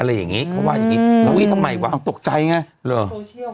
อะไรอย่างนี้เขาว่าอย่างงี้แล้วอุ้ยทำไมวะตกใจไงเหรอ